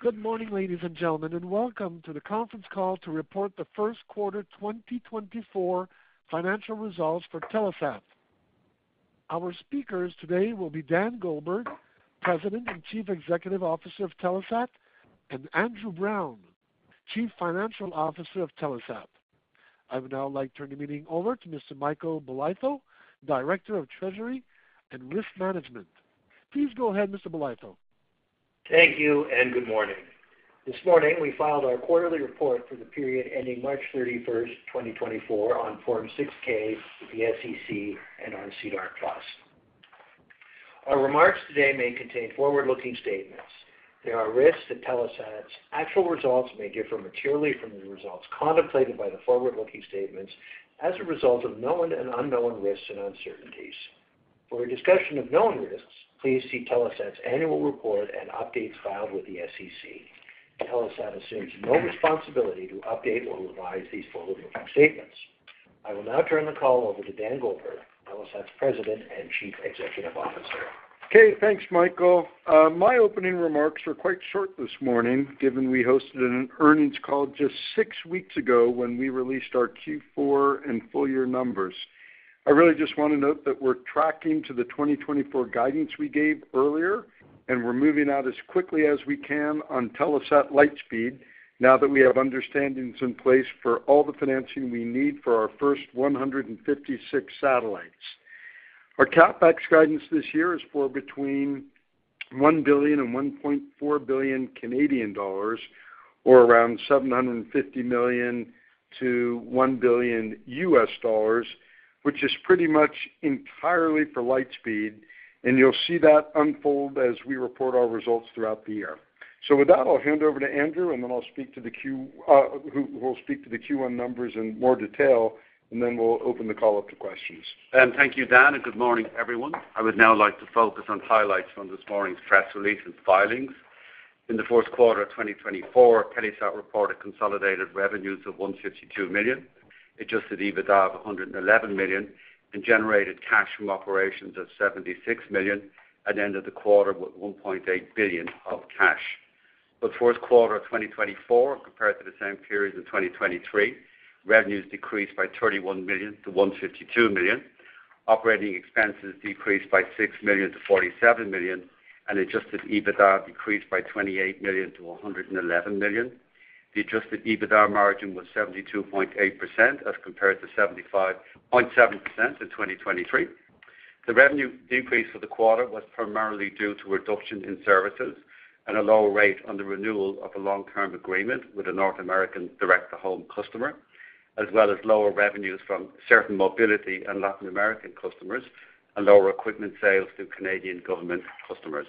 Good morning, ladies and gentlemen, and welcome to the conference call to report the first quarter 2024 financial results for Telesat. Our speakers today will be Dan Goldberg, President and Chief Executive Officer of Telesat, and Andrew Brown, Chief Financial Officer of Telesat. I would now like to turn the meeting over to Mr. Michael Bolitho, Director of Treasury and Risk Management. Please go ahead, Mr. Bolitho. Thank you, and good morning. This morning, we filed our quarterly report for the period ending March 31, 2024, on Form 6-K with the SEC and on SEDAR+. Our remarks today may contain forward-looking statements. There are risks that Telesat's actual results may differ materially from the results contemplated by the forward-looking statements as a result of known and unknown risks and uncertainties. For a discussion of known risks, please see Telesat's annual report and updates filed with the SEC. Telesat assumes no responsibility to update or revise these forward-looking statements. I will now turn the call over to Dan Goldberg, Telesat's President and Chief Executive Officer. Okay, thanks, Michael. My opening remarks are quite short this morning, given we hosted an earnings call just six weeks ago when we released our Q4 and full year numbers. I really just want to note that we're tracking to the 2024 guidance we gave earlier, and we're moving out as quickly as we can on Telesat Lightspeed, now that we have understandings in place for all the financing we need for our first 156 satellites. Our CapEx guidance this year is for between 1 billion-1.4 billion Canadian dollars, or around $750 million-$1 billion, which is pretty much entirely for Lightspeed, and you'll see that unfold as we report our results throughout the year. So with that, I'll hand over to Andrew, who will speak to the Q1 numbers in more detail, and then we'll open the call up to questions. Thank you, Dan, and good morning, everyone. I would now like to focus on highlights from this morning's press release and filings. In the fourth quarter of 2024, Telesat reported consolidated revenues of $152 million, Adjusted EBITDA of $111 million, and generated cash from operations of $76 million, at the end of the quarter, with $1.8 billion of cash. The fourth quarter of 2024, compared to the same period in 2023, revenues decreased by $31 million to $152 million. Operating expenses decreased by $6 million to $47 million, and Adjusted EBITDA decreased by $28 million to $111 million. The Adjusted EBITDA margin was 72.8% as compared to 75.7% in 2023. The revenue decrease for the quarter was primarily due to a reduction in services and a lower rate on the renewal of a long-term agreement with a North American direct-to-home customer, as well as lower revenues from certain mobility and Latin American customers and lower equipment sales to Canadian government customers.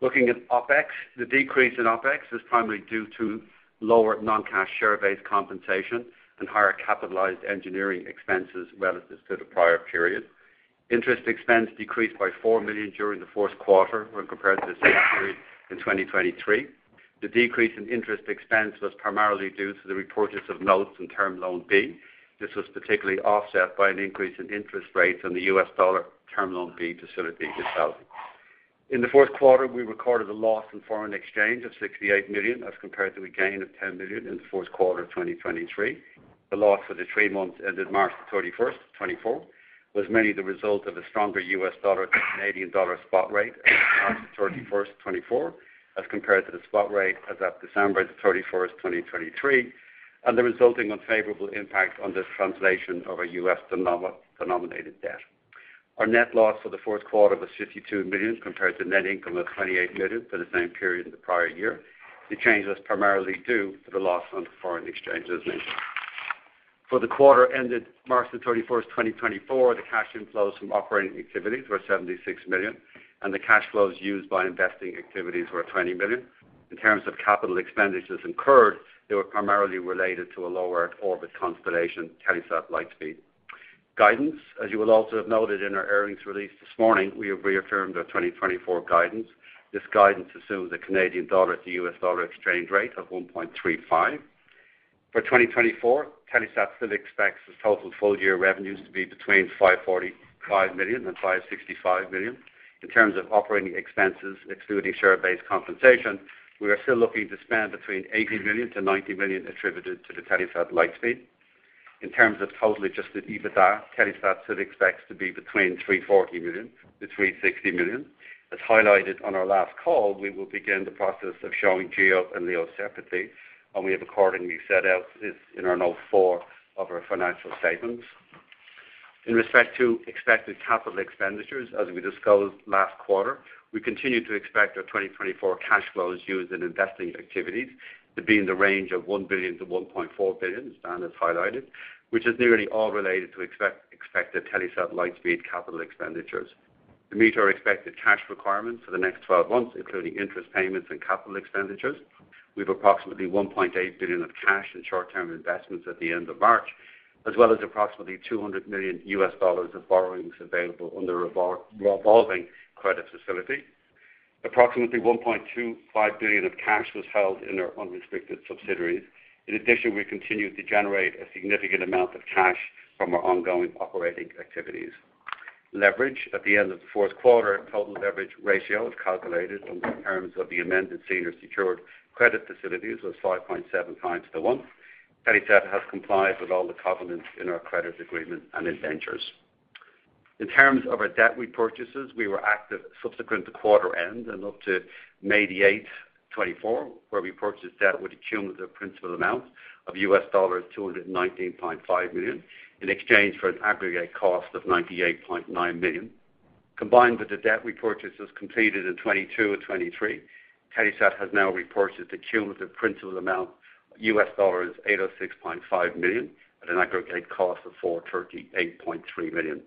Looking at OpEx, the decrease in OpEx is primarily due to lower non-cash share-based compensation and higher capitalized engineering expenses relative to the prior period. Interest expense decreased by 4 million during the fourth quarter when compared to the same period in 2023. The decrease in interest expense was primarily due to the repurchase of notes and Term Loan B. This was particularly offset by an increase in interest rates on the US dollar Term Loan B facility itself. In the fourth quarter, we recorded a loss in foreign exchange of 68 million, as compared to a gain of 10 million in the fourth quarter of 2023. The loss for the three months ended March 31, 2024, was mainly the result of a stronger US dollar to Canadian dollar spot rate as of March 31, 2024, as compared to the spot rate as of December 31, 2023, and the resulting unfavorable impact on the translation of our US-denominated debt. Our net loss for the fourth quarter was 52 million, compared to net income of 28 million for the same period in the prior year. The change was primarily due to the loss on foreign exchange, as mentioned. For the quarter ended March 31, 2024, the cash inflows from operating activities were 76 million, and the cash flows used by investing activities were 20 million. In terms of capital expenditures incurred, they were primarily related to a lower orbit constellation, Telesat Lightspeed. Guidance. As you will also have noted in our earnings release this morning, we have reaffirmed our 2024 guidance. This guidance assumes a Canadian dollar to U.S. dollar exchange rate of 1.35. For 2024, Telesat still expects its total full-year revenues to be between 545 million and 565 million. In terms of operating expenses, excluding share-based compensation, we are still looking to spend between 80 million and 90 million, attributed to the Telesat Lightspeed. In terms of total Adjusted EBITDA, Telesat still expects to be between 340 million and 360 million. As highlighted on our last call, we will begin the process of showing GEO and LEO separately, and we have accordingly set out this in our note four of our financial statements. In respect to expected capital expenditures, as we discussed last quarter, we continue to expect our 2024 cash flows used in investing activities to be in the range of 1 billion-1.4 billion, as Dan has highlighted, which is nearly all related to expected Telesat Lightspeed capital expenditures. To meet our expected cash requirements for the next twelve months, including interest payments and capital expenditures, we have approximately 1.8 billion of cash and short-term investments at the end of March, as well as approximately $200 million of borrowings available under a revolving credit facility. Approximately 1.25 billion of cash was held in our unrestricted subsidiaries. In addition, we continued to generate a significant amount of cash from our ongoing operating activities. Leverage at the end of the fourth quarter, total leverage ratio is calculated on the terms of the amended senior secured credit facilities was 5.7 times to one. Telesat has complied with all the covenants in our credit agreement and indentures. In terms of our debt repurchases, we were active subsequent to quarter end and up to May 8, 2024, where we purchased debt with a cumulative principal amount of $219.5 million, in exchange for an aggregate cost of $98.9 million. Combined with the debt repurchases completed in 2022 and 2023, Telesat has now repurchased the cumulative principal amount of $806.5 million at an aggregate cost of $438.3 million.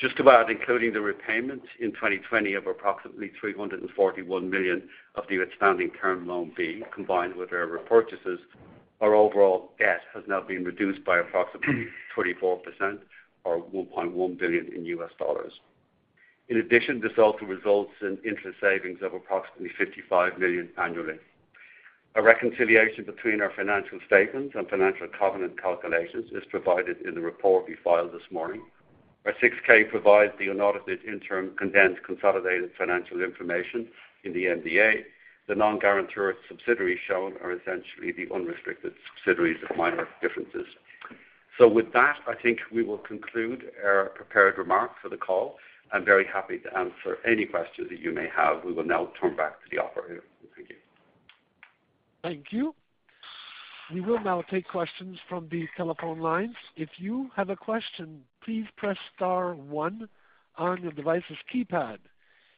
Just about including the repayment in 2020 of approximately $341 million of the outstanding Term Loan B, combined with our repurchases, our overall debt has now been reduced by approximately 34% or $1.1 billion in US dollars. In addition, this also results in interest savings of approximately $55 million annually. A reconciliation between our financial statements and financial covenant calculations is provided in the report we filed this morning. Our 6-K provides the unaudited, interim, condensed, consolidated financial information in the MD&A. The non-guarantor subsidiaries shown are essentially the unrestricted subsidiaries with minor differences. With that, I think we will conclude our prepared remarks for the call. I'm very happy to answer any questions that you may have. We will now turn back to the operator. Thank you. Thank you. We will now take questions from the telephone lines. If you have a question, please press star one on your device's keypad.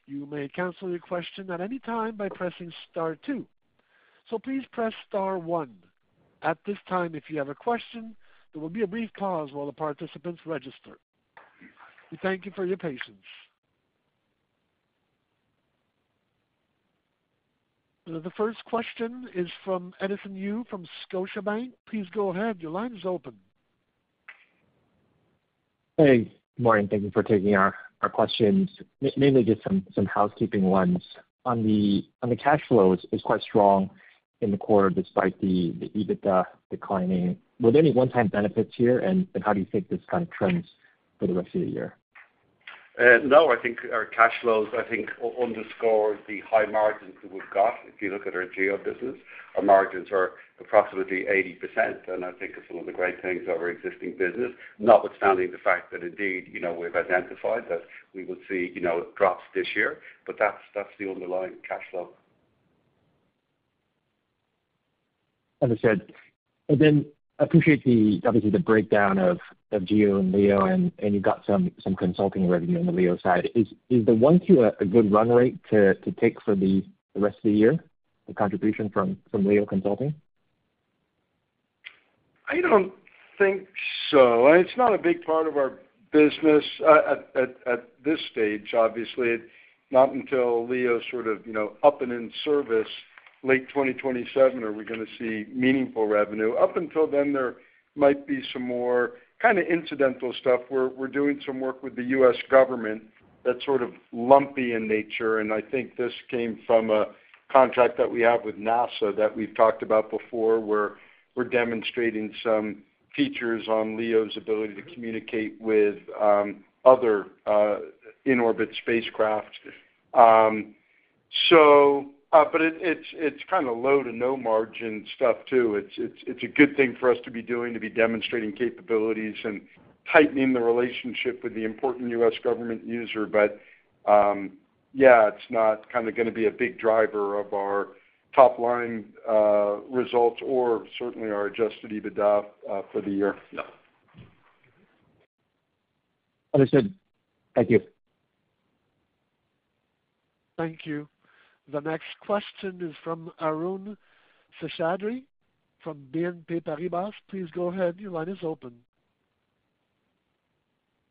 You may cancel your question at any time by pressing star two. So please press star one. At this time, if you have a question, there will be a brief pause while the participants register. We thank you for your patience. The first question is from Edison Yu from Scotiabank. Please go ahead. Your line is open. Hey, good morning. Thank you for taking our questions. Mainly just some housekeeping ones. On the cash flows is quite strong in the quarter, despite the EBITDA declining. Were there any one-time benefits here? And how do you think this kind of trends for the rest of the year? No, I think our cash flows, I think, underscore the high margins that we've got. If you look at our GEO business, our margins are approximately 80%, and I think it's one of the great things of our existing business. Notwithstanding the fact that indeed, you know, we've identified that we will see, you know, drops this year, but that's, that's the underlying cash flow. Understood. And then appreciate, obviously, the breakdown of GEO and LEO, and you've got some consulting revenue on the LEO side. Is the 1Q a good run rate to take for the rest of the year, the contribution from LEO consulting? I don't think so. It's not a big part of our business at this stage. Obviously, not until LEO is sort of, you know, up and in service, late 2027, are we gonna see meaningful revenue. Up until then, there might be some more kind of incidental stuff. We're doing some work with the U.S. government that's sort of lumpy in nature, and I think this came from a contract that we have with NASA that we've talked about before, where we're demonstrating some features on LEO's ability to communicate with other in-orbit spacecraft. So, but it's kind of low to no margin stuff, too. It's a good thing for us to be doing, to be demonstrating capabilities and tightening the relationship with the important U.S. government user. But, yeah, it's not kind of gonna be a big driver of our top line results or certainly our Adjusted EBITDA for the year. Understood. Thank you. Thank you. The next question is from Arun Seshadri, from BNP Paribas. Please go ahead. Your line is open.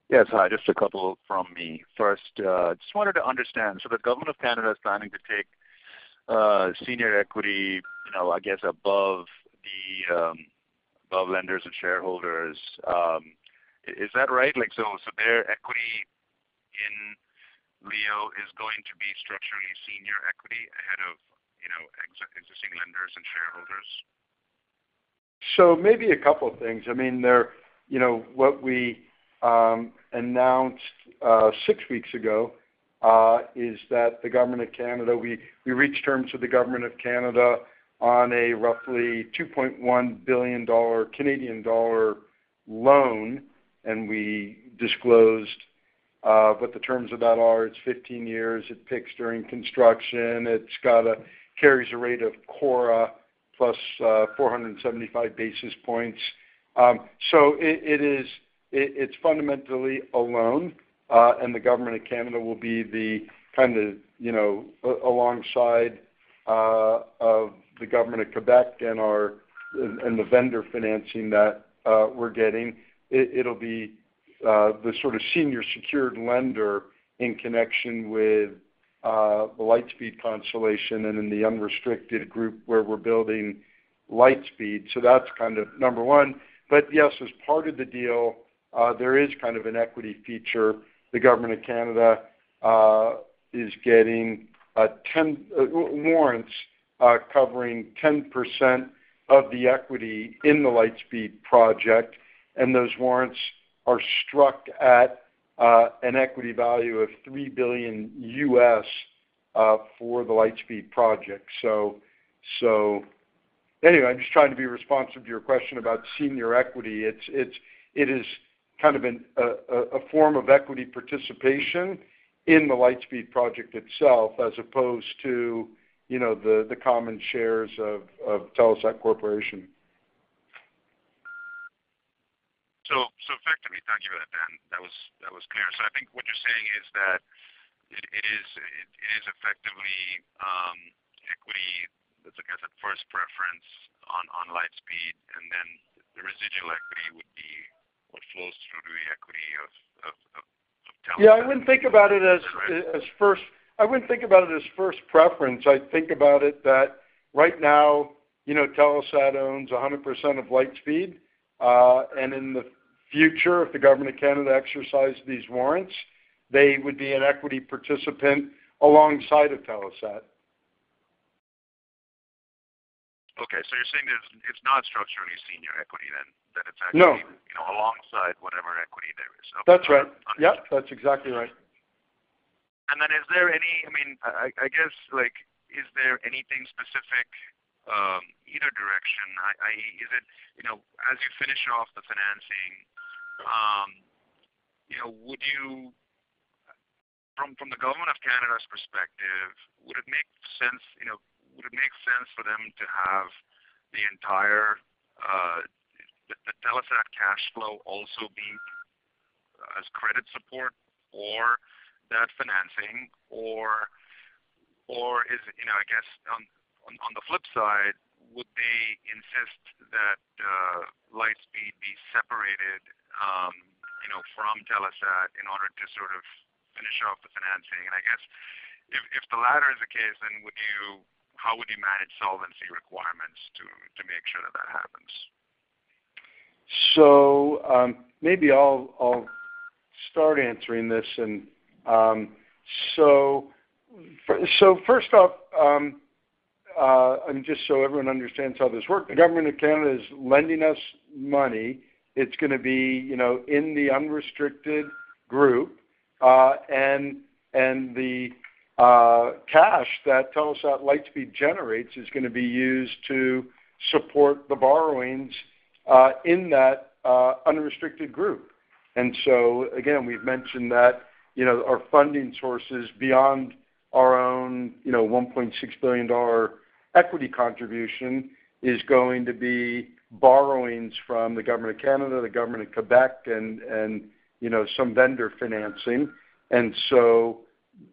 Yes, hi, just a couple from me. First, just wanted to understand, so the Government of Canada is planning to take senior equity, you know, I guess, above the above lenders and shareholders. Is that right? Like, so, so their equity in LEO is going to be structurally senior equity ahead of, you know, existing lenders and shareholders? So maybe a couple of things. I mean, there, you know, what we announced six weeks ago is that the Government of Canada, we reached terms with the Government of Canada on a roughly 2.1 billion Canadian dollar loan, and we disclosed what the terms of that are. It's 15 years, it pays during construction. It's got a carries a rate of CORRA plus 475 basis points. So it is, it is, it's fundamentally a loan, and the Government of Canada will be the kind of, you know, a, alongside of the Government of Quebec and our, and the vendor financing that we're getting. It, it'll be the sort of senior secured lender in connection with the Lightspeed constellation and in the Unrestricted Group, where we're building Lightspeed. So that's kind of number one. But yes, as part of the deal, there is kind of an equity feature. The Government of Canada is getting 10 warrants covering 10% of the equity in the Lightspeed project, and those warrants are struck at an equity value of $3 billion for the Lightspeed project. So anyway, I'm just trying to be responsive to your question about senior equity. It is kind of a form of equity participation in the Lightspeed project itself, as opposed to, you know, the common shares of Telesat Corporation. So effectively, thank you for that, Dan. That was clear. So I think what you're saying is that it is effectively equity, I guess, at first preference on Lightspeed, and then the residual equity would be what flows through the equity of Telesat. Yeah, I wouldn't think about it as first preference. I'd think about it that right now, you know, Telesat owns 100% of Lightspeed. And in the future, if the Government of Canada exercise these warrants, they would be an equity participant alongside of Telesat. Okay. So you're saying it's not structurally senior equity, then? That it's actually- No. you know, alongside whatever equity there is. That's right. Understood. Yep, that's exactly right. And then is there any... I mean, I guess, like, is there anything specific, either direction? Is it, you know, as you finish off the financing, you know, would you—from the Government of Canada's perspective, would it make sense, you know, would it make sense for them to have the entire, the Telesat cash flow also be as credit support for that financing? Or is it, you know, I guess, on the flip side, would they insist that, Lightspeed be separated, you know, from Telesat in order to sort of finish off the financing? And I guess if the latter is the case, then would you—how would you manage solvency requirements to make sure that that happens? So, maybe I'll start answering this. And, so first off, and just so everyone understands how this works, the Government of Canada is lending us money. It's gonna be, you know, in the unrestricted group, and the cash that Telesat Lightspeed generates is gonna be used to support the borrowings in that unrestricted group. And so again, we've mentioned that, you know, our funding sources beyond our own, you know, $1.6 billion equity contribution is going to be borrowings from the Government of Canada, the Government of Quebec, and, you know, some vendor financing. And so,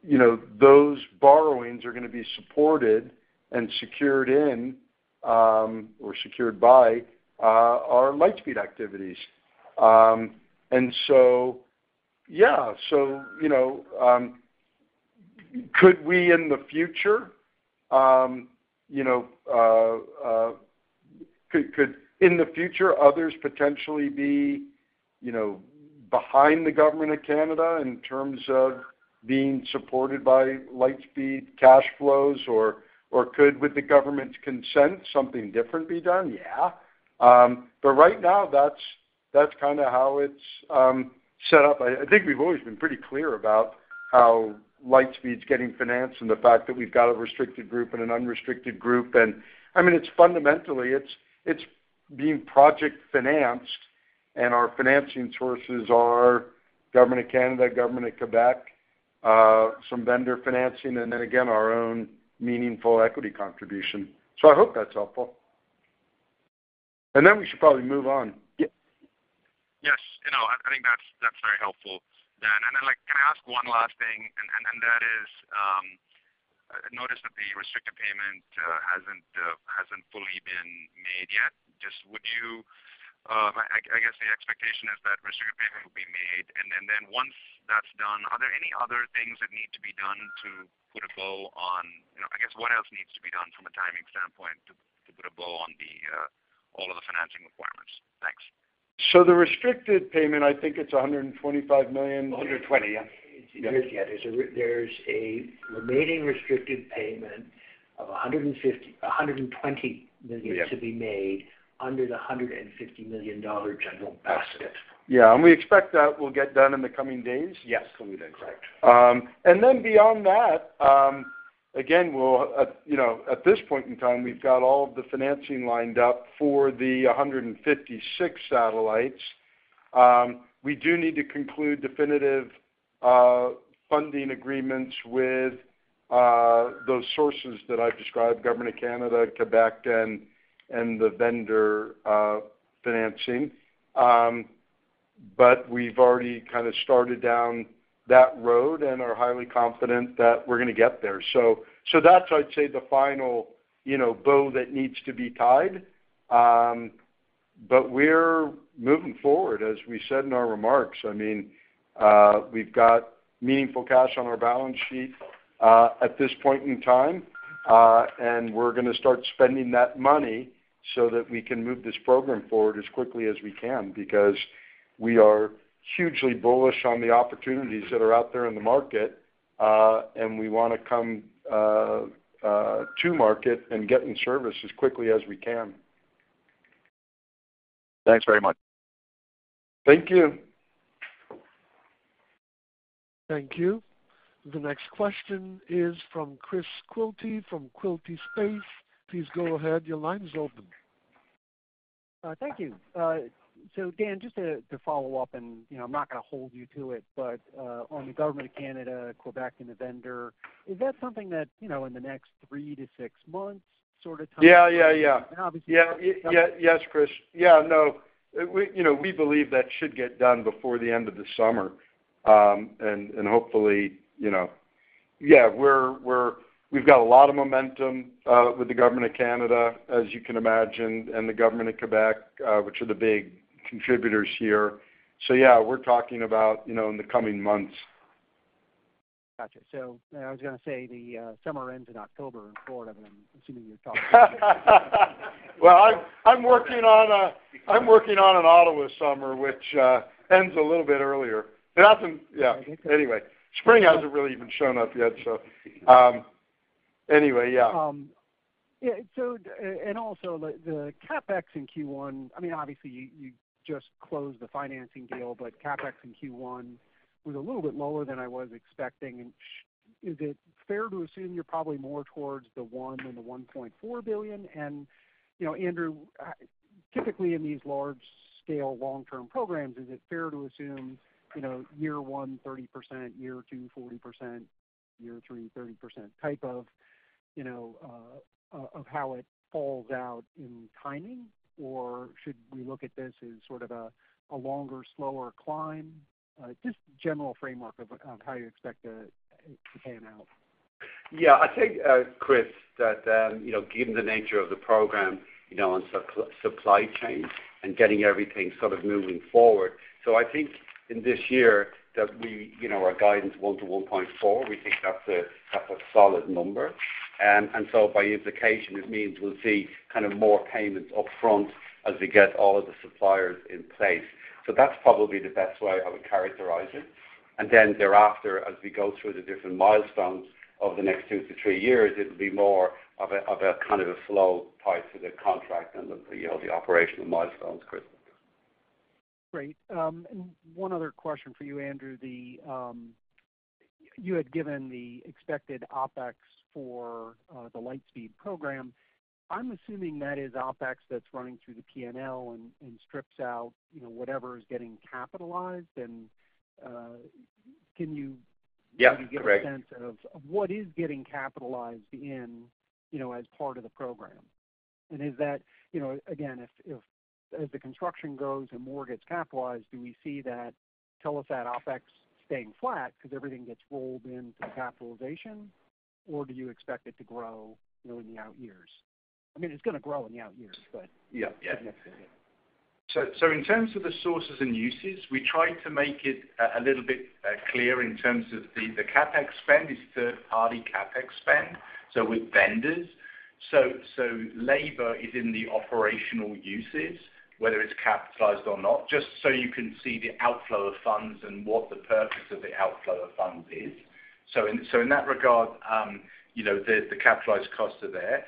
you know, those borrowings are gonna be supported and secured in, or secured by, our Lightspeed activities. So, yeah, so, you know, could in the future others potentially be, you know, behind the Government of Canada in terms of being supported by Lightspeed cash flows, or could, with the government's consent, something different be done? Yeah. But right now, that's kind of how it's set up. I think we've always been pretty clear about how Lightspeed's getting financed and the fact that we've got a restricted group and an unrestricted group. And I mean, it's fundamentally being project financed, and our financing sources are Government of Canada, Government of Quebec, some vendor financing, and then again, our own meaningful equity contribution. So I hope that's helpful. And then we should probably move on. Yep. Yes. You know, I think that's very helpful, Dan. And then, like, can I ask one last thing? And that is, I noticed that the Restricted Payment hasn't fully been made yet. Just would you... I guess, the expectation is that Restricted Payment will be made, and then, once that's done, are there any other things that need to be done to put a bow on, you know, I guess, what else needs to be done from a timing standpoint to put a bow on the all of the financing requirements? Thanks. The Restricted Payment, I think it's $125 million. 120, yeah. Yeah, there's a remaining restricted payment of $150 million--$120 million- Yeah. to be made under the $150 million general basket. Yeah, and we expect that will get done in the coming days. Yes, coming days, correct. And then beyond that, again, we'll, you know, at this point in time, we've got all of the financing lined up for the 156 satellites. We do need to conclude definitive funding agreements with those sources that I've described, Government of Canada, Quebec, and the vendor financing. But we've already kind of started down that road and are highly confident that we're gonna get there. So that's, I'd say, the final, you know, bow that needs to be tied. But we're moving forward, as we said in our remarks. I mean, we've got meaningful cash on our balance sheet at this point in time, and we're gonna start spending that money so that we can move this program forward as quickly as we can, because... We are hugely bullish on the opportunities that are out there in the market, and we want to come to market and get in service as quickly as we can. Thanks very much. Thank you. Thank you. The next question is from Chris Quilty, from Quilty Space. Please go ahead. Your line is open. Thank you. So Dan, just to follow up and, you know, I'm not going to hold you to it, but on the Government of Canada, Government of Quebec, and the vendor, is that something that, you know, in the next 3-6 months sort of time? Yeah, yeah, yeah. Obviously- Yeah. Yes, Chris. Yeah, no, we, you know, we believe that should get done before the end of the summer. And hopefully, you know, yeah, we've got a lot of momentum with the Government of Canada, as you can imagine, and the Government of Quebec, which are the big contributors here. So yeah, we're talking about, you know, in the coming months. Gotcha. So I was gonna say, the summer ends in October in Florida, but I'm assuming you're talking Well, I'm working on an Ottawa summer, which ends a little bit earlier. It hasn't... Yeah. Anyway, spring hasn't really even shown up yet, so, anyway, yeah. Yeah, so, and also the CapEx in Q1, I mean, obviously, you, you just closed the financing deal, but CapEx in Q1 was a little bit lower than I was expecting. Is it fair to assume you're probably more towards the 1 billion than the 1.4 billion? And, you know, Andrew, typically, in these large-scale, long-term programs, is it fair to assume, you know, year one, 30%, year two, 40%, year three, 30% type of, you know, of, of how it falls out in timing? Or should we look at this as sort of a, a longer, slower climb? Just general framework of, how you expect it to pan out. Yeah. I think, Chris, that, you know, given the nature of the program, you know, on supply chain and getting everything sort of moving forward, so I think in this year that we, you know, our guidance, 1-1.4, we think that's a, that's a solid number. And so by implication, it means we'll see kind of more payments upfront as we get all of the suppliers in place. So that's probably the best way I would characterize it. And then thereafter, as we go through the different milestones over the next 2-3 years, it'll be more of a kind of a slow pace to the contract and the, you know, the operational milestones, Chris. Great. One other question for you, Andrew. The you had given the expected OpEx for the Lightspeed program. I'm assuming that is OpEx that's running through the PNL and strips out, you know, whatever is getting capitalized. And can you- Yeah, correct. Give a sense of what is getting capitalized in, you know, as part of the program? And is that, you know, again, if as the construction goes and more gets capitalized, do we see that Telesat OpEx staying flat because everything gets rolled into capitalization? Or do you expect it to grow, you know, in the out years? I mean, it's gonna grow in the out years, but- Yeah. Yeah. Necessarily. So in terms of the sources and uses, we try to make it a little bit clear in terms of the CapEx spend is third-party CapEx spend, so with vendors. So in that regard, you know, the capitalized costs are there.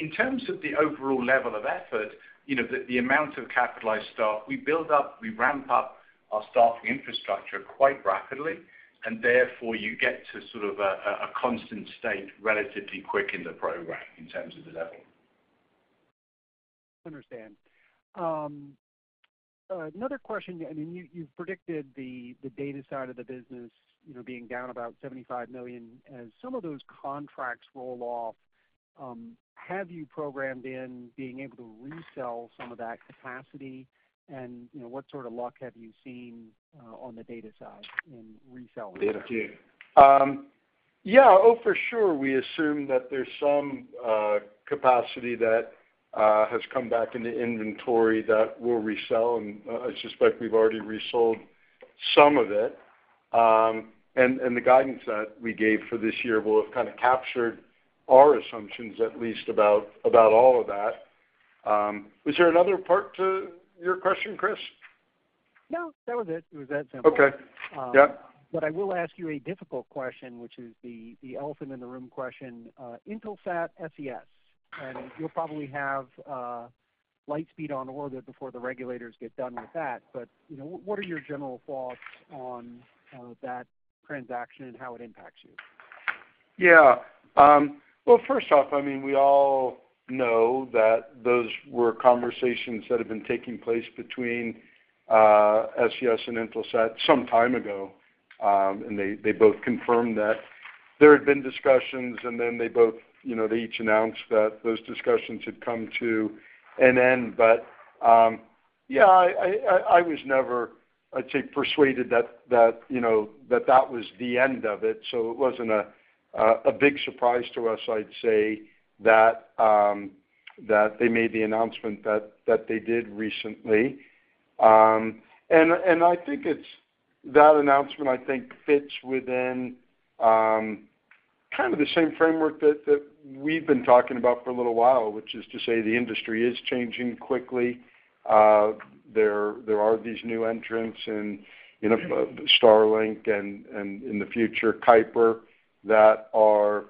In terms of the overall level of effort, you know, the amount of capitalized staff, we build up, we ramp up our staffing infrastructure quite rapidly, and therefore, you get to sort of a constant state relatively quick in the program in terms of the level. Understand. Another question, I mean, you've predicted the data side of the business, you know, being down about $75 million. As some of those contracts roll off, have you programmed in being able to resell some of that capacity? And, you know, what sort of luck have you seen on the data side in reselling data? Yeah. Oh, for sure, we assume that there's some capacity that has come back into inventory that we'll resell, and I suspect we've already resold some of it. And the guidance that we gave for this year will have kind of captured our assumptions, at least about all of that. Was there another part to your question, Chris? No, that was it. It was that simple. Okay. Yeah. But I will ask you a difficult question, which is the elephant in the room question, Intelsat SES. And you'll probably have Lightspeed on orbit before the regulators get done with that, but, you know, what are your general thoughts on that transaction and how it impacts you? Yeah. Well, first off, I mean, we all know that those were conversations that have been taking place between SES and Intelsat some time ago. And they both confirmed that there had been discussions, and then they both, you know, they each announced that those discussions had come to an end. But yeah, I was never, I'd say, persuaded that, you know, that that was the end of it, so it wasn't a big surprise to us, I'd say, that they made the announcement that they did recently. And I think it's. That announcement, I think, fits within kind of the same framework that we've been talking about for a little while, which is to say the industry is changing quickly. There are these new entrants and, you know, Starlink and, and in the future, Kuiper, that are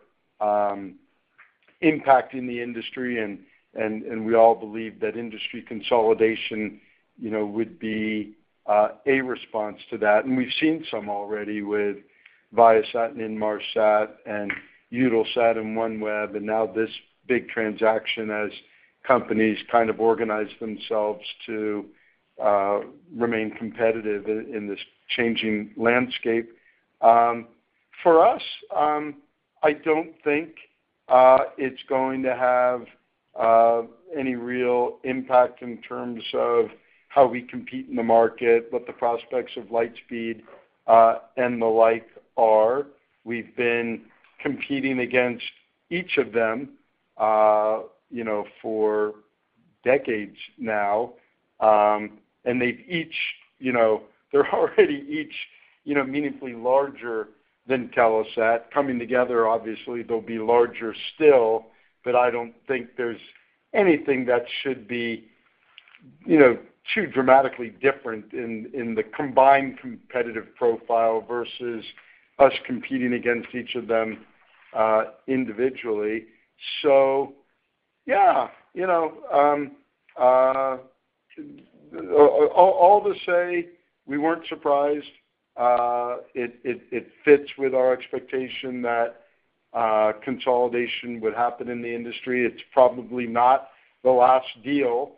impacting the industry, and, and we all believe that industry consolidation, you know, would be a response to that. We've seen some already with Viasat and Inmarsat and Eutelsat and OneWeb, and now this big transaction as companies kind of organize themselves to remain competitive in this changing landscape. For us, I don't think it's going to have any real impact in terms of how we compete in the market, what the prospects of Lightspeed, and the like are. We've been competing against each of them, you know, for decades now, and they've each, you know, they're already each, you know, meaningfully larger than Telesat. Coming together, obviously, they'll be larger still, but I don't think there's anything that should be, you know, too dramatically different in, in the combined competitive profile versus us competing against each of them, individually. So, yeah, you know, all to say, we weren't surprised. It fits with our expectation that, consolidation would happen in the industry. It's probably not the last deal.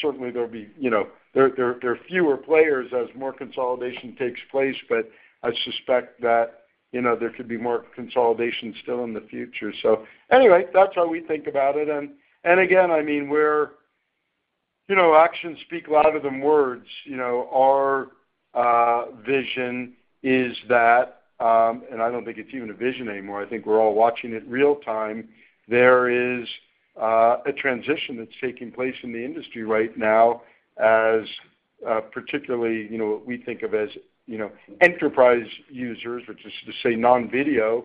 Certainly, there'll be, you know, there are fewer players as more consolidation takes place, but I suspect that, you know, there could be more consolidation still in the future. So anyway, that's how we think about it. And, again, I mean, we're, you know, actions speak louder than words. You know, our vision is that, and I don't think it's even a vision anymore. I think we're all watching it real-time. There is a transition that's taking place in the industry right now as, particularly, you know, what we think of as, you know, enterprise users, which is to say non-video.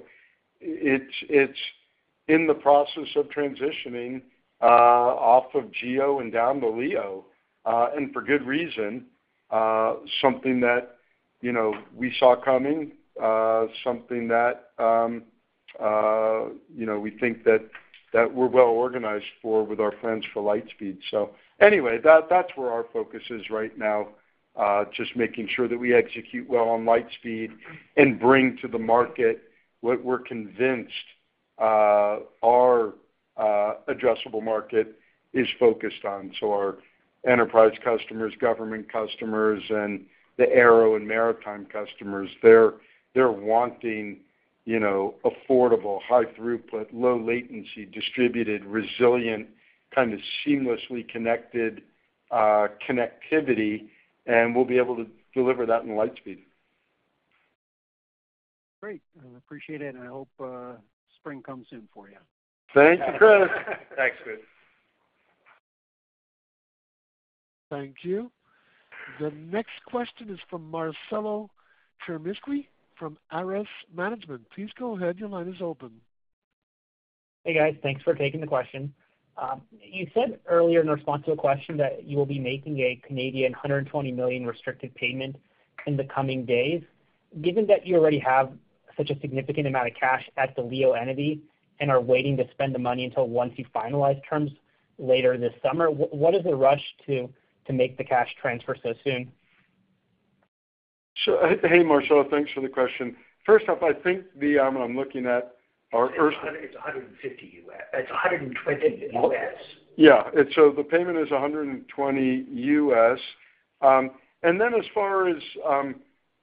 It's in the process of transitioning off of GEO and down to LEO, and for good reason, something that, you know, we saw coming, something that, you know, we think that we're well organized for with our plans for Lightspeed. So anyway, that's where our focus is right now, just making sure that we execute well on Lightspeed and bring to the market what we're convinced our addressable market is focused on. So our enterprise customers, government customers, and the aero and maritime customers, they're, they're wanting, you know, affordable, high throughput, low latency, distributed, resilient, kind of seamlessly connected, connectivity, and we'll be able to deliver that in Lightspeed. Great. I appreciate it, and I hope spring comes soon for you. Thank you, Chris. Thanks, Chris. Thank you. The next question is from Marcelo Tirmizi, from Ares Management. Please go ahead, your line is open. Hey, guys. Thanks for taking the question. You said earlier in response to a question that you will be making a 120 million Canadian dollars restricted payment in the coming days. Given that you already have such a significant amount of cash at the LEO entity and are waiting to spend the money until once you finalize terms later this summer, what is the rush to make the cash transfer so soon? Sure. Hey, Marcelo, thanks for the question. First off, I think the... I'm looking at our first- It's $150. It's $120. Yeah. So the payment is $120. And then as far as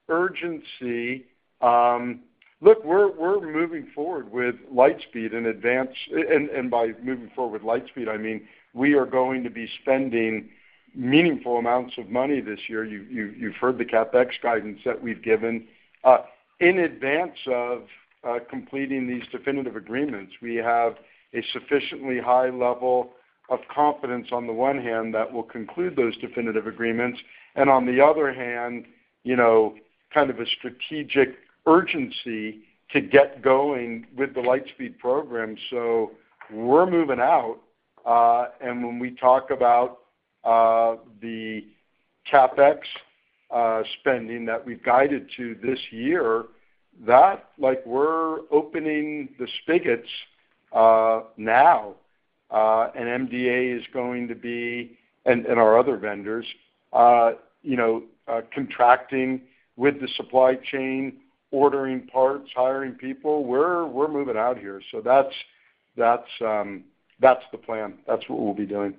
urgency, look, we're moving forward with Lightspeed in advance. And by moving forward with Lightspeed, I mean, we are going to be spending meaningful amounts of money this year. You've heard the CapEx guidance that we've given. In advance of completing these definitive agreements, we have a sufficiently high level of confidence on the one hand, that we'll conclude those definitive agreements, and on the other hand, you know, kind of a strategic urgency to get going with the Lightspeed program. So we're moving out, and when we talk about the CapEx spending that we've guided to this year, that—like, we're opening the spigots now, and MDA is going to be and our other vendors, you know, contracting with the supply chain, ordering parts, hiring people. We're moving out here. So that's the plan. That's what we'll be doing.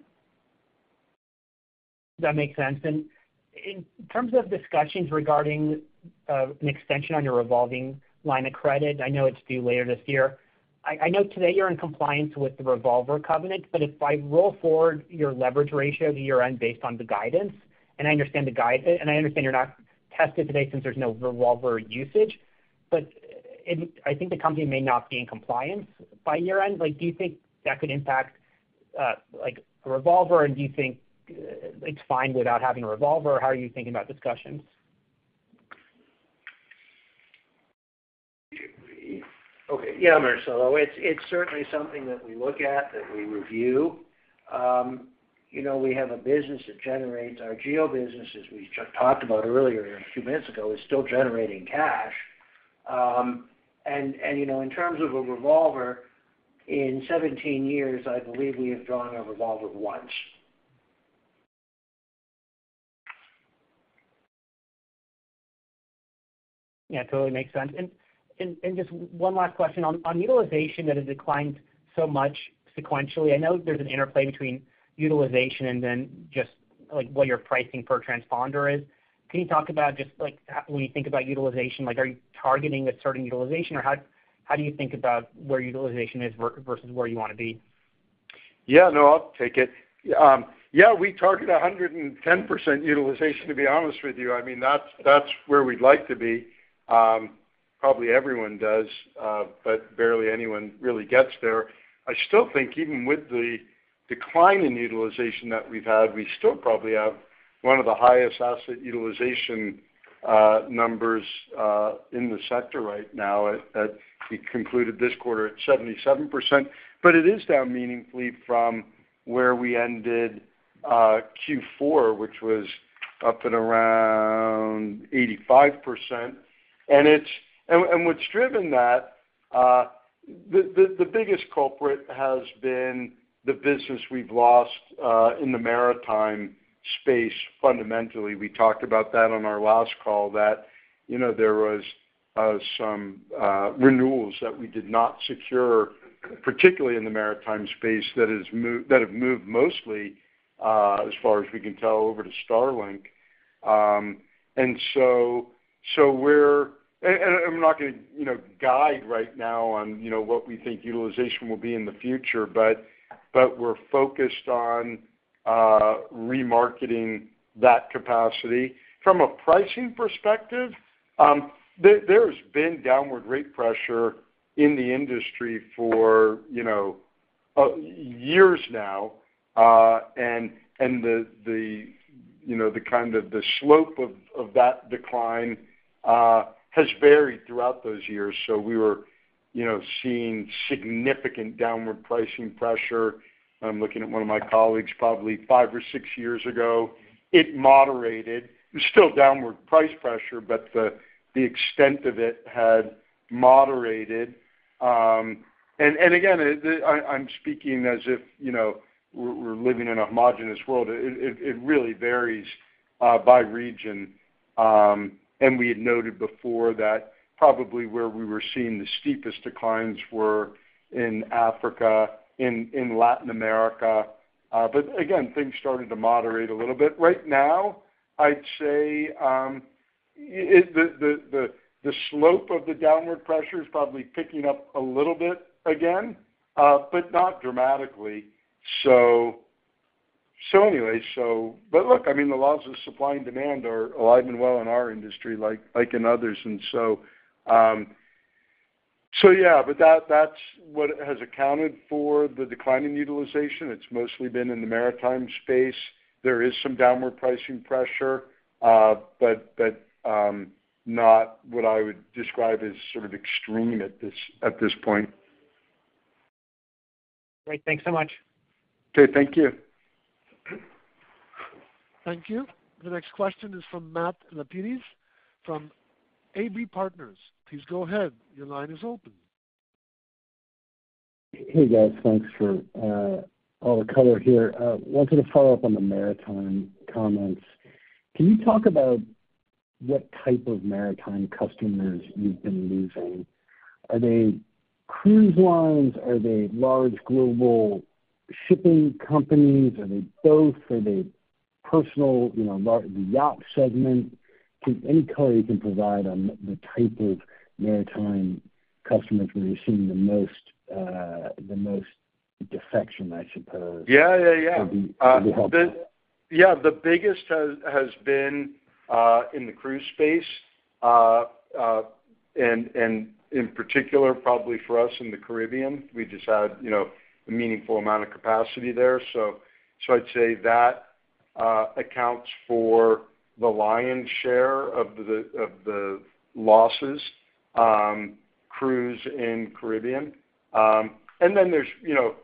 That makes sense. And in terms of discussions regarding an extension on your revolving line of credit, I know it's due later this year. I know today you're in compliance with the revolver covenant, but if I roll forward your leverage ratio to year-end based on the guidance, and I understand you're not tested today since there's no revolver usage, but, and I think the company may not be in compliance by year-end. Like, do you think that could impact a revolver, or do you think it's fine without having a revolver? How are you thinking about discussions? ... Okay. Yeah, Marcelo, it's certainly something that we look at, that we review. You know, we have a business that generates—our GEO business, as we just talked about earlier, a few minutes ago, is still generating cash. And, you know, in terms of a revolver, in 17 years, I believe we have drawn a revolver once. Yeah, totally makes sense. And just one last question on utilization that has declined so much sequentially, I know there's an interplay between utilization and then just, like, what your pricing per transponder is. Can you talk about just, like, when you think about utilization, like, are you targeting a certain utilization, or how do you think about where utilization is versus where you wanna be? Yeah, no, I'll take it. Yeah, we target 110% utilization, to be honest with you. I mean, that's, that's where we'd like to be. Probably everyone does, but barely anyone really gets there. I still think even with the decline in utilization that we've had, we still probably have one of the highest asset utilization numbers in the sector right now. We concluded this quarter at 77%, but it is down meaningfully from where we ended Q4, which was up and around 85%. And what's driven that, the biggest culprit has been the business we've lost in the maritime space. Fundamentally, we talked about that on our last call, that you know there was some renewals that we did not secure, particularly in the maritime space, that have moved mostly as far as we can tell over to Starlink. And I'm not gonna you know guide right now on you know what we think utilization will be in the future, but we're focused on remarketing that capacity. From a pricing perspective, there's been downward rate pressure in the industry for you know years now. And the you know the kind of the slope of that decline has varied throughout those years. So we were you know seeing significant downward pricing pressure. I'm looking at one of my colleagues, probably five or six years ago. It moderated. It was still downward price pressure, but the extent of it had moderated. And again, I'm speaking as if, you know, we're living in a homogeneous world. It really varies by region. And we had noted before that probably where we were seeing the steepest declines were in Africa, in Latin America. But again, things started to moderate a little bit. Right now, I'd say, the slope of the downward pressure is probably picking up a little bit again, but not dramatically. So anyway, so... But look, I mean, the laws of supply and demand are alive and well in our industry, like in others. And so, yeah, but that's what has accounted for the decline in utilization. It's mostly been in the maritime space. There is some downward pricing pressure, but not what I would describe as sort of extreme at this point. Great. Thanks so much. Okay, thank you. Thank you. The next question is from Matt Lapides, from Abry Partners. Please go ahead. Your line is open. Hey, guys. Thanks for all the color here. Wanted to follow up on the maritime comments. Can you talk about what type of maritime customers you've been losing? Are they cruise lines? Are they large global shipping companies? Are they both? Are they personal, you know, yacht segment? Just any color you can provide on the type of maritime customers where you're seeing the most defection, I suppose- Yeah, yeah, yeah would be helpful. Yeah, the biggest has been in the cruise space. And in particular, probably for us, in the Caribbean. We just had, you know, a meaningful amount of capacity there. So I'd say that accounts for the lion's share of the losses, cruise in Caribbean. And then there's, you know,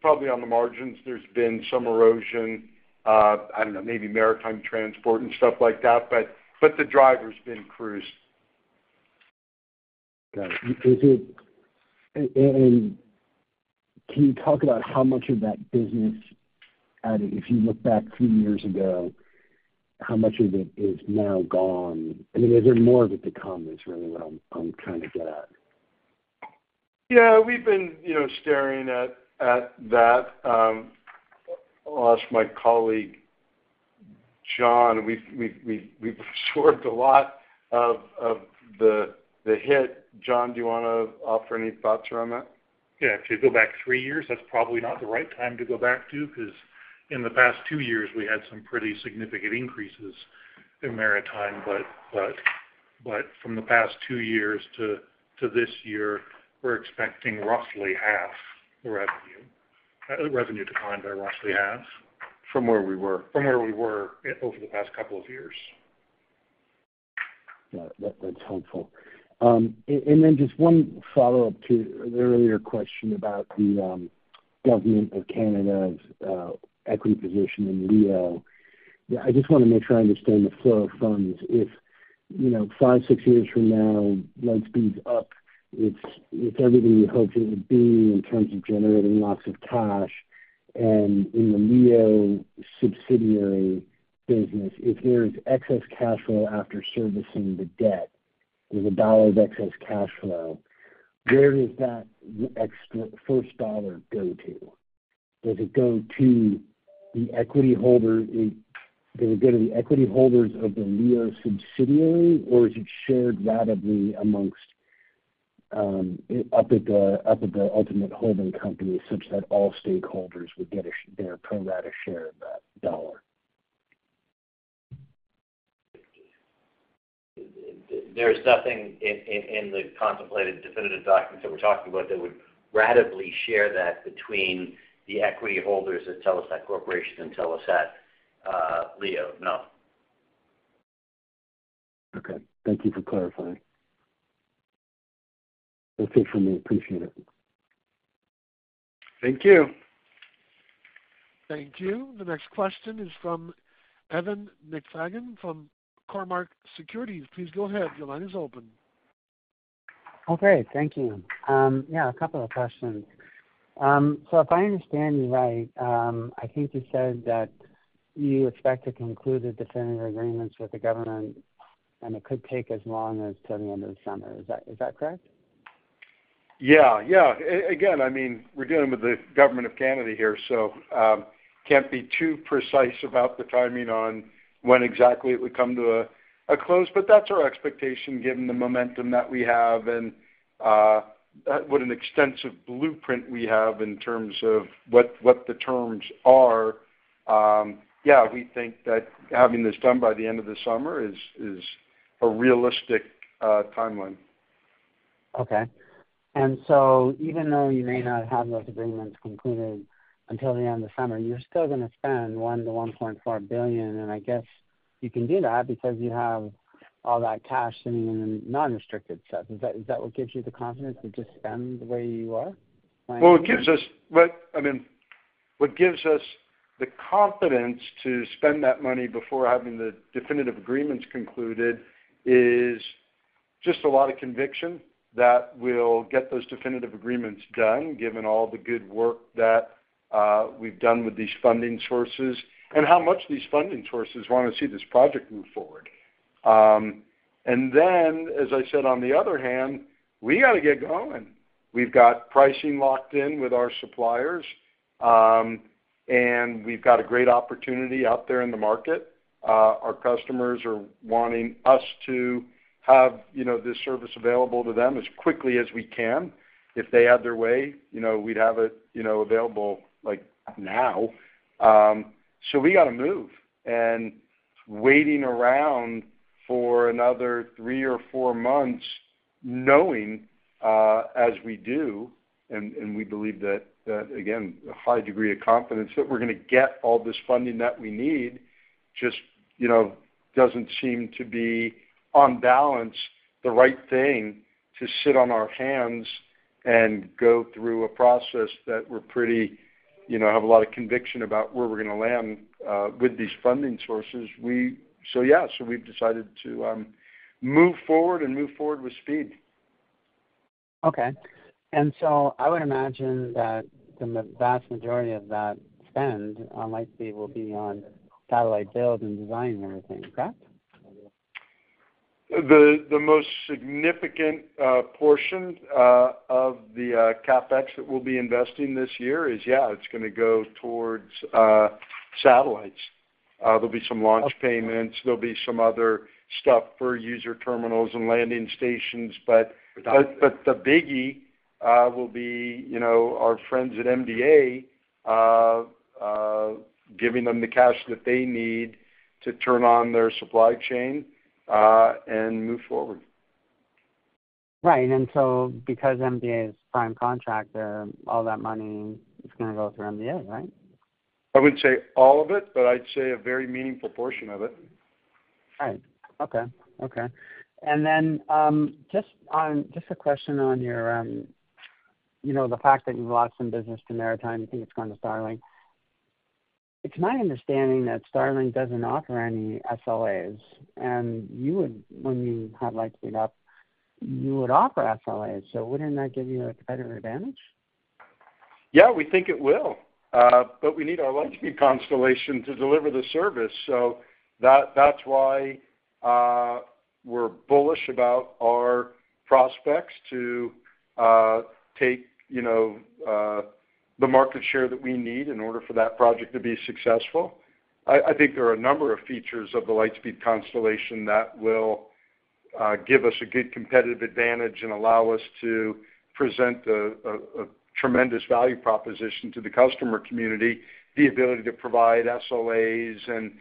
probably on the margins, there's been some erosion. I don't know, maybe maritime transport and stuff like that, but the driver's been cruise. Got it. Can you talk about how much of that business, if you look back three years ago, how much of it is now gone? I mean, is there more of it to come is really what I'm trying to get at. Yeah, we've been, you know, staring at that. I'll ask my colleague, John. We've absorbed a lot of the hit. John, do you wanna offer any thoughts around that? Yeah. If you go back three years, that's probably not the right time to go back to, because in the past two years, we had some pretty significant increases in maritime. But from the past two years to this year, we're expecting roughly half the revenue decline that Rusley has? From where we were. From where we were over the past couple of years. Yeah, that, that's helpful. And then just one follow-up to an earlier question about the Government of Canada's equity position in LEO. I just wanna make sure I understand the flow of funds. If, you know, five, six years from now, Lightspeed's up, it's everything you hoped it would be in terms of generating lots of cash, and in the LEO subsidiary business, if there is excess cash flow after servicing the debt, there's a dollar of excess cash flow, where does that extra—first dollar go to? Does it go to the equity holder, does it go to the equity holders of the LEO subsidiary, or is it shared ratably amongst up at the ultimate holding company, such that all stakeholders would get their pro rata share of that dollar? There's nothing in the contemplated definitive documents that we're talking about that would ratably share that between the equity holders of Telesat Corporation and Telesat LEO. No. Okay. Thank you for clarifying. That's it for me. Appreciate it. Thank you. Thank you. The next question is from David McFadgen from Cormark Securities. Please go ahead. Your line is open. Okay, thank you. Yeah, a couple of questions. So if I understand you right, I think you said that you expect to conclude the definitive agreements with the government, and it could take as long as to the end of the summer. Is that, is that correct? Yeah, yeah. Again, I mean, we're dealing with the Government of Canada here, so can't be too precise about the timing on when exactly it would come to a close, but that's our expectation, given the momentum that we have and what an extensive blueprint we have in terms of what the terms are. Yeah, we think that having this done by the end of the summer is a realistic timeline. Okay. And so even though you may not have those agreements concluded until the end of summer, you're still gonna spend 1 billion-1.4 billion, and I guess you can do that because you have all that cash sitting in the non-restricted set. Is that, is that what gives you the confidence to just spend the way you are? Well, it gives us... I mean, what gives us the confidence to spend that money before having the definitive agreements concluded is just a lot of conviction that we'll get those definitive agreements done, given all the good work that we've done with these funding sources and how much these funding sources wanna see this project move forward. And then, as I said, on the other hand, we gotta get going. We've got pricing locked in with our suppliers, and we've got a great opportunity out there in the market. Our customers are wanting us to have, you know, this service available to them as quickly as we can. If they had their way, you know, we'd have it, you know, available, like, now. So we gotta move, and waiting around for another 3 or 4 months, knowing, as we do, and we believe that, again, a high degree of confidence that we're gonna get all this funding that we need, just, you know, doesn't seem to be, on balance, the right thing to sit on our hands and go through a process that we're pretty, you know, have a lot of conviction about where we're gonna land, with these funding sources. We so, yeah, so we've decided to move forward and move forward with speed. Okay. And so I would imagine that the vast majority of that spend might be, will be on satellite build and design and everything, correct? The most significant portion of the CapEx that we'll be investing this year is, yeah, it's gonna go towards satellites. There'll be some launch payments. There'll be some other stuff for user terminals and landing stations, but the biggie will be, you know, our friends at MDA giving them the cash that they need to turn on their supply chain and move forward. Right. And so because MDA is prime contractor, all that money is gonna go through MDA, right? I wouldn't say all of it, but I'd say a very meaningful portion of it. Right. Okay. Okay. And then, just a question on your, you know, the fact that you've lost some business to maritime, you think it's going to Starlink. It's my understanding that Starlink doesn't offer any SLAs, and you would, when you have Lightspeed up, you would offer SLAs, so wouldn't that give you a competitive advantage? Yeah, we think it will. But we need our Lightspeed constellation to deliver the service, so that's why we're bullish about our prospects to take, you know, the market share that we need in order for that project to be successful. I think there are a number of features of the Lightspeed constellation that will give us a good competitive advantage and allow us to present a tremendous value proposition to the customer community, the ability to provide SLAs and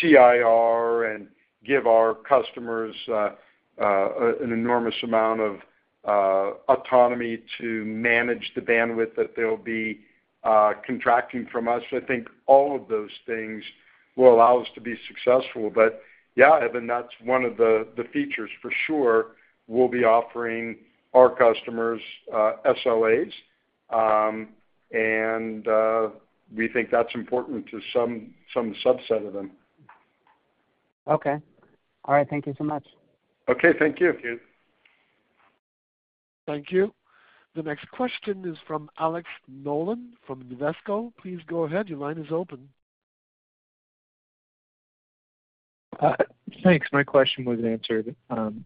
CIR and give our customers an enormous amount of autonomy to manage the bandwidth that they'll be contracting from us. I think all of those things will allow us to be successful. But yeah, David, that's one of the features for sure. We'll be offering our customers SLAs, and we think that's important to some subset of them. Okay. All right. Thank you so much. Okay, thank you. Thank you. The next question is from Alex Nolan from Invesco. Please go ahead. Your line is open. Thanks. My question was answered.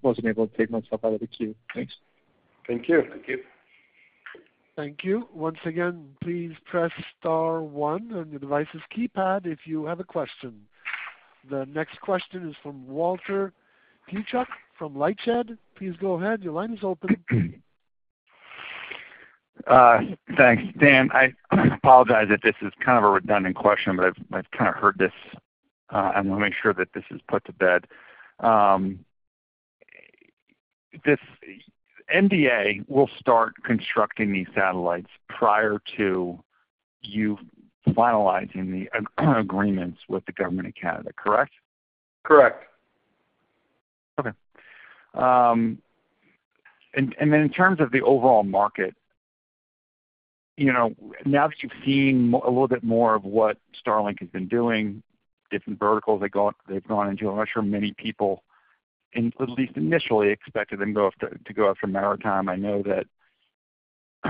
Wasn't able to take myself out of the queue. Thanks. Thank you. Thank you. Once again, please press star one on your device's keypad if you have a question. The next question is from Walter Piecyk from LightShed. Please go ahead. Your line is open. Thanks, Dan. I apologize if this is kind of a redundant question, but I've kind of heard this. I wanna make sure that this is put to bed. This: MDA will start constructing these satellites prior to you finalizing the agreements with the Government of Canada, correct? Correct. Okay. And then in terms of the overall market, you know, now that you've seen a little bit more of what Starlink has been doing, different verticals they've gone into, I'm not sure many people, at least initially, expected them to go after maritime. I know that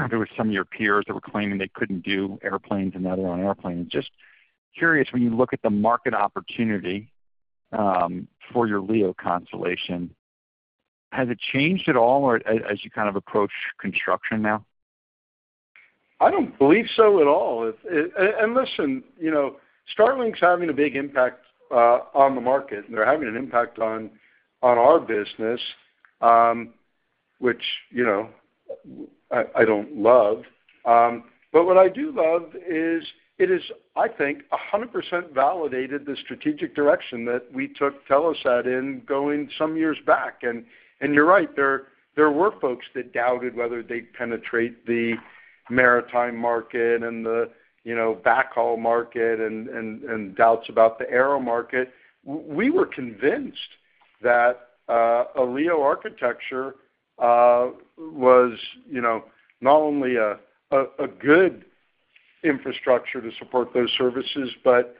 there were some of your peers that were claiming they couldn't do airplanes and that are on airplanes. Just curious, when you look at the market opportunity for your LEO constellation, has it changed at all or as you kind of approach construction now? I don't believe so at all. It and listen, you know, Starlink's having a big impact on the market, and they're having an impact on our business, which, you know, I don't love. But what I do love is, it is, I think, 100% validated the strategic direction that we took Telesat in going some years back. And you're right, there were folks that doubted whether they'd penetrate the maritime market and the, you know, backhaul market and doubts about the aero market. We were convinced that a LEO architecture was, you know, not only a good infrastructure to support those services, but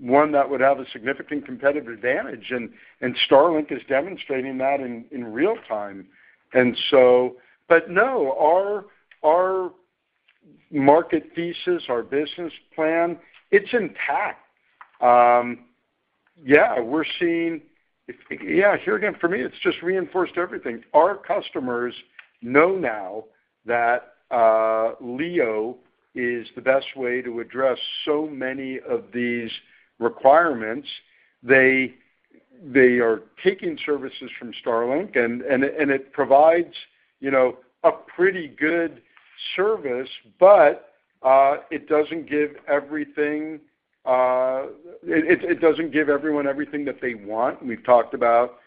one that would have a significant competitive advantage, and Starlink is demonstrating that in real time. And so... But no, our market thesis, our business plan, it's intact. Yeah, we're seeing—yeah, here again, for me, it's just reinforced everything. Our customers know now that LEO is the best way to address so many of these requirements. They are taking services from Starlink, and it provides, you know, a pretty good service, but it doesn't give everything, it doesn't give everyone everything that they want. We've talked about,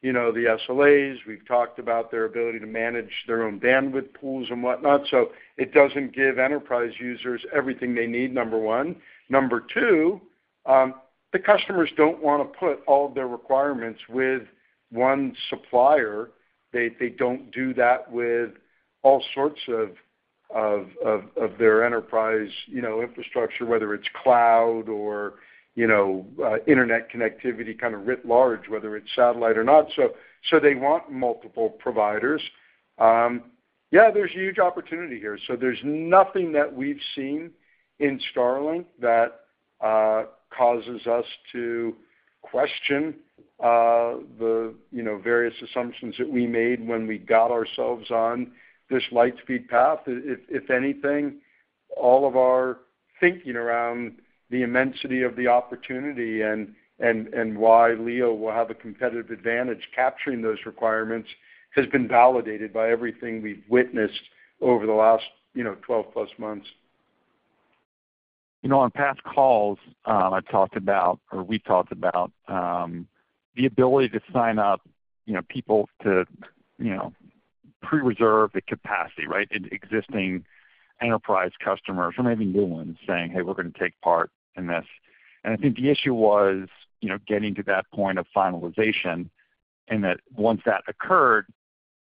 you know, the SLAs. We've talked about their ability to manage their own bandwidth pools and whatnot, so it doesn't give enterprise users everything they need, number one. Number two, the customers don't wanna put all of their requirements with one supplier. They don't do that with all sorts of their enterprise, you know, infrastructure, whether it's cloud or, you know, internet connectivity, kind of writ large, whether it's satellite or not. So they want multiple providers. Yeah, there's huge opportunity here. So there's nothing that we've seen in Starlink that causes us to question the, you know, various assumptions that we made when we got ourselves on this Lightspeed path. If anything, all of our thinking around the immensity of the opportunity and why LEO will have a competitive advantage capturing those requirements has been validated by everything we've witnessed over the last, you know, 12+ months. You know, on past calls, I talked about, or we talked about, the ability to sign up, you know, people to, you know, pre-reserve the capacity, right? Existing enterprise customers or maybe new ones saying, "Hey, we're gonna take part in this." And I think the issue was, you know, getting to that point of finalization, and that once that occurred,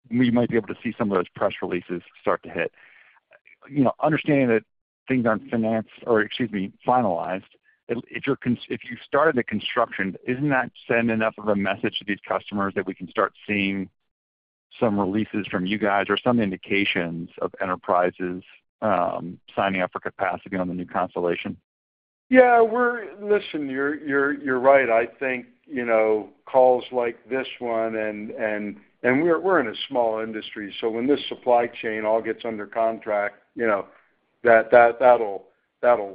we might be able to see some of those press releases start to hit. You know, understanding that things aren't financed, or excuse me, finalized, if you started the construction, isn't that sending enough of a message to these customers that we can start seeing some releases from you guys or some indications of enterprises, signing up for capacity on the new constellation? Yeah, listen, you're right. I think, you know, calls like this one and we're in a small industry, so when this supply chain all gets under contract, you know, that'll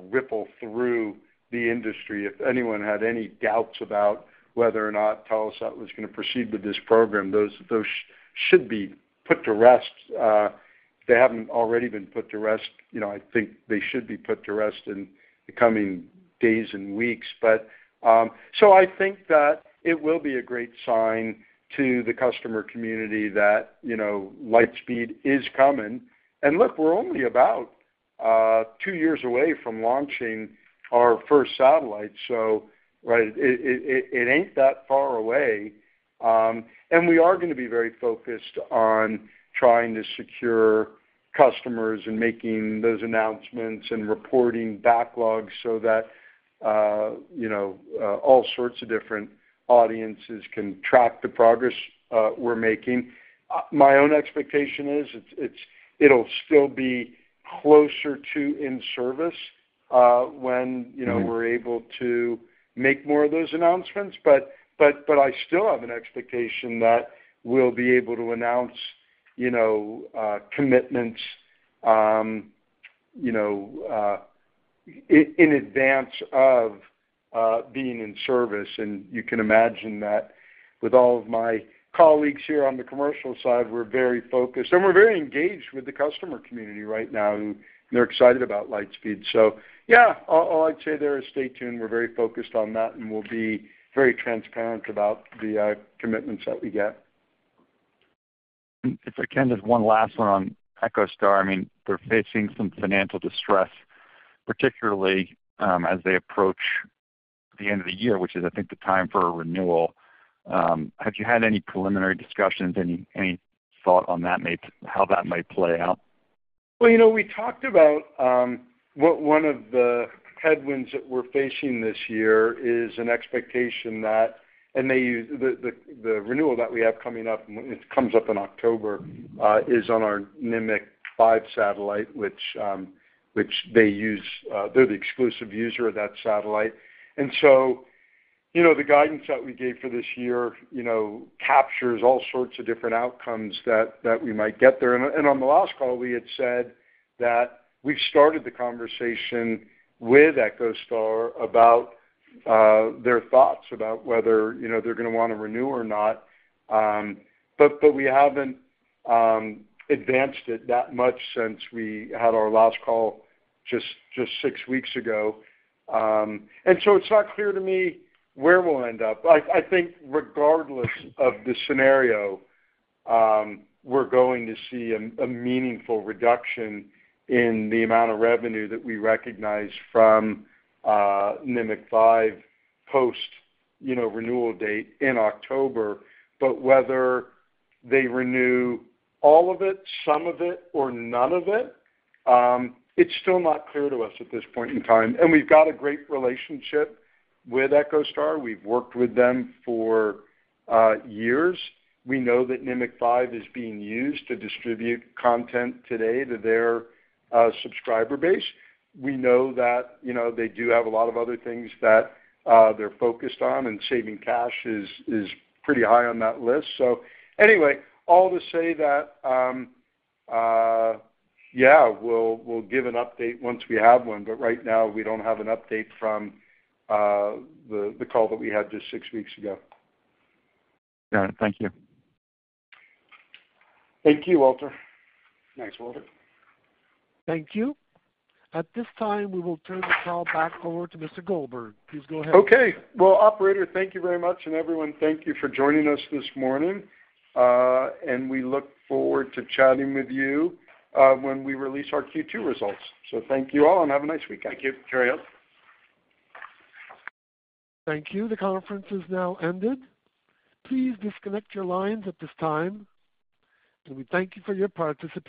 ripple through the industry. If anyone had any doubts about whether or not Telesat was gonna proceed with this program, those should be put to rest if they haven't already been put to rest, you know, I think they should be put to rest in the coming days and weeks. But, so I think that it will be a great sign to the customer community that, you know, Lightspeed is coming. And look, we're only about two years away from launching our first satellite, so, right, it ain't that far away. And we are gonna be very focused on trying to secure customers and making those announcements and reporting backlogs so that, you know, all sorts of different audiences can track the progress we're making. My own expectation is, it'll still be closer to in-service, when, you know- Mm-hmm We're able to make more of those announcements. But I still have an expectation that we'll be able to announce, you know, commitments, you know, in advance of being in service. And you can imagine that with all of my colleagues here on the commercial side, we're very focused, and we're very engaged with the customer community right now, and they're excited about Lightspeed. So yeah, all I'd say there is stay tuned. We're very focused on that, and we'll be very transparent about the commitments that we get. If I can, just one last one on EchoStar. I mean, they're facing some financial distress, particularly, as they approach the end of the year, which is I think the time for a renewal. Have you had any preliminary discussions? Any, any thought on that might, how that might play out? Well, you know, we talked about what one of the headwinds that we're facing this year is an expectation that... And they use—the renewal that we have coming up, it comes up in October, is on our Nimiq 5 satellite, which they use, they're the exclusive user of that satellite. And so, you know, the guidance that we gave for this year, you know, captures all sorts of different outcomes that we might get there. And on the last call, we had said that we've started the conversation with EchoStar about their thoughts about whether, you know, they're gonna wanna renew or not. But we haven't advanced it that much since we had our last call just six weeks ago. And so it's not clear to me where we'll end up. I think regardless of the scenario, we're going to see a meaningful reduction in the amount of revenue that we recognize from Nimiq 5 post, you know, renewal date in October. But whether they renew all of it, some of it, or none of it, it's still not clear to us at this point in time, and we've got a great relationship with EchoStar. We've worked with them for years. We know that Nimiq 5 is being used to distribute content today to their subscriber base. We know that, you know, they do have a lot of other things that they're focused on, and saving cash is pretty high on that list. So anyway, all to say that, yeah, we'll give an update once we have one, but right now we don't have an update from the call that we had just six weeks ago. Got it. Thank you. Thank you, Walter. Thanks, Walter. Thank you. At this time, we will turn the call back over to Mr. Goldberg. Please go ahead. Okay. Well, operator, thank you very much, and everyone, thank you for joining us this morning. And we look forward to chatting with you when we release our Q2 results. So thank you all, and have a nice weekend. Thank you. Carry on. Thank you. The conference has now ended. Please disconnect your lines at this time, and we thank you for your participation.